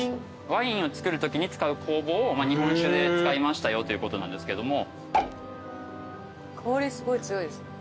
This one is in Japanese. ワインを造るときに使う酵母を日本酒で使いましたよということなんですけども。